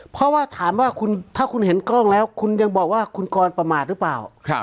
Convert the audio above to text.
เพราะว่าถามว่าถ้าคุณเห็นกล้องแล้วคุณยังบอกว่าคุณกรประมาทหรือเปล่า